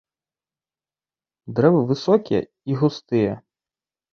Дрэвы высокія і густыя.